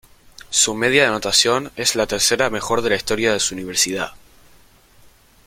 Su media de anotación es la tercera mejor de la historia de su universidad.